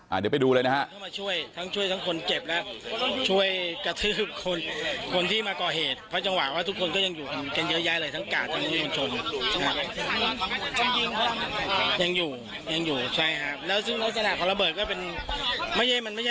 อ่าเดี๋ยวไปดูเลยนะฮะ